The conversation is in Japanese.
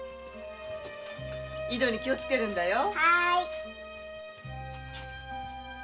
井戸に気をつけるんだよ。